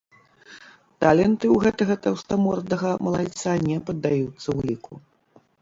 Таленты ў гэтага таўстамордага малайца не паддаюцца ўліку.